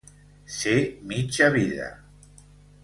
Ser mitja vida.